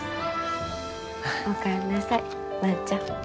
お帰りなさい万ちゃん。